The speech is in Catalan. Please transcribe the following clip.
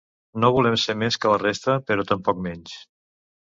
No volem ser més que la resta, però tampoc menys.